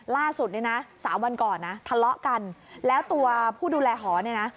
ล่าสุดเนี่ยนะสามวันก่อนนะทะเลาะกันแล้วตัวผู้ดูแลหอเนี่ยนะ